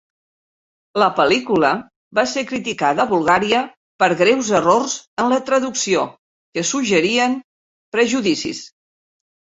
La pel·lícula va ser criticada a Bulgària per greus errors en la traducció, que suggerien prejudicis.